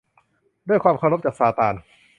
ด้วยความเคารพ จากซาตาน